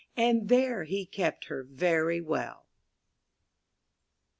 And there he kept her very well.